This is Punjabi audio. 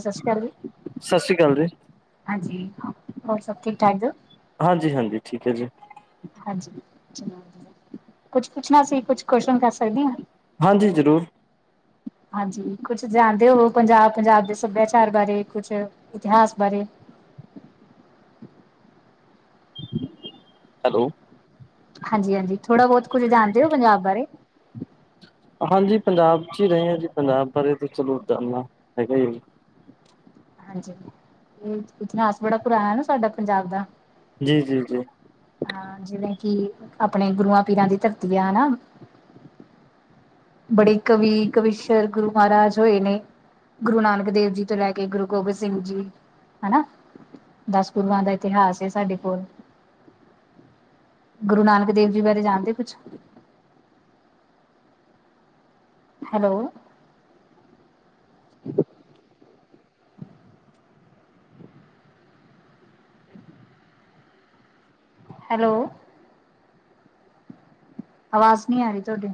ਸਤਿ ਸ਼੍ਰੀ ਅਕਾਲ ਜੀ। ਸਤਿ ਸ਼੍ਰੀ ਅਕਾਲ ਜੀ। ਹਾਂਜੀ ਹੋਰ ਸਭ ਠੀਕ ਠਾਕ ਜੋਂ। ਹਾਂਜੀ ਹਾਂਜੀ ਠੀਕ ਹੈ। ਜੀ- ਹਾਂਜੀ ਕੁਛ ਪੁੱਛਣਾ ਸੀ। ਕੁਛ ਕੋਸ਼ਨ ਕਰ ਸਕਦੀ ਹਾਂ? ਹਾਂਜੀ ਜ਼ਰੂਰ। [inaudible] ਹਾਂਜੀ ਕੁਛ ਜਾਣਦੇ ਹੋ। ਪੰਜਾਬ- ਪੰਜਾਬ ਦੇ ਸੱਭਿਆਚਾਰ ਬਾਰੇ ਕੁਛ ਇਤਿਹਾਸ ਬਾਰੇ- ਹੈਲੋ- ਹਾਂਜੀ- ਹਾਂਜੀ ਥੋੜ੍ਹਾ ਬਹੁਤ ਕੁਝ ਜਾਣਦੇ ਹੋ ਪੰਜਾਬ ਬਾਰੇ- ਹਾਂਜੀ ਪੰਜਾਬ 'ਚ ਹੀ ਰਹੇ ਹਾਂ ਜੀ ਪੰਜਾਬ ਬਾਰੇ ਤਾਂ ਚਲੋਨਾ ਹੈਗ। ਹਾਂਜੀ ਇਹ ਇਤਿਹਾਸ ਬੜਾ ਪੁਰਾਣਾ ਨਾ ਸਾਡਾ ਪੰਜਾਬ ਦਾ- ਜੀ- ਜੀ- ਜੀ- ਹਾਂ ਜਿਵੇਂ ਕਿ ਆਪਣੇ ਗੁਰੂਆਂ ਪੀਰਾਂ ਦੀ ਧਰਤੀ ਆ ਹਨਾ। ਬੜੇ ਕਵੀ, ਕਵੀਸ਼ਰ, ਗੁਰੂ ਮਹਾਰਾਜ ਹੋਏ ਨੇ। ਗੁਰੂ ਨਾਨਕ ਦੇਵ ਜੀ ਤੋਂ ਲੈ ਕੇ ਗੁਰੂ ਗੋਬਿੰਦ ਸਿੰਘ ਜੀ ਹਨਾ ਦਸ ਗੁਰੂਆਂ ਦਾ ਇਤਿਹਾਸ ਹੈ ਸਾਡੇ ਕੋਲ। ਗੁਰੂ ਨਾਨਕ ਦੇਵ ਜੀ ਬਾਰੇ ਜਾਣਦੇ ਕੁਛ ਹੈਲੋ ਹੈਲੋ ਆਵਾਜ਼ ਨਹੀਂ ਆ ਰਹੀ ਤੁਹਾਡੀ।